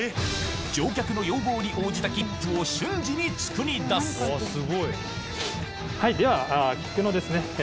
乗客の要望に応じた切符を瞬時に作り出すはいでは。